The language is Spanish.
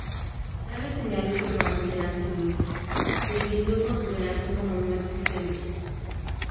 Tales señales permanecerán sin luz, debiendo considerarse como no existentes.